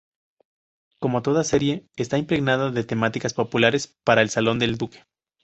Como toda la serie, está impregnada de temáticas populares para el salón del duque.